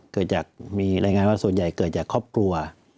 เกิดจากมีรายงานว่าส่วนใหญ่เกิดจากครอบครัว